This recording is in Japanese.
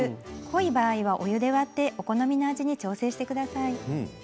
濃い場合はお湯で割って好みの味に調整してください。